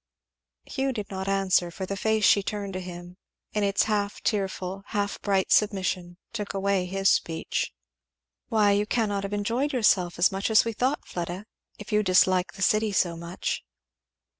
'" Hugh did not answer, for the face she turned to him in its half tearful, half bright submission took away his speech. "Why you cannot have enjoyed yourself as much as we thought, Fleda, if you dislike the city so much?"